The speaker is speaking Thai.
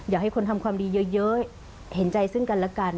อยากให้คนทำความดีเยอะเห็นใจซึ่งกันแล้วกัน